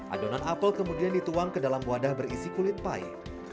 adonan apel kemudian dituang ke dalam wadah berisi kulit pay